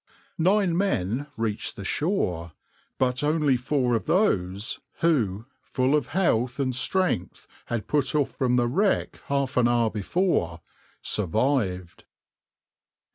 Nine men reached the shore, but only four of those, who, full of health and strength, had put off from the wreck half an hour before, survived.